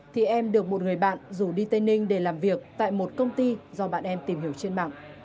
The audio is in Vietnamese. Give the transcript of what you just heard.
thì em được một người bạn rủ đi tây ninh để làm việc tại một công ty do bạn em tìm hiểu trên mạng